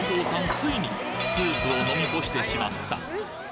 遂にスープを飲み干してしまった！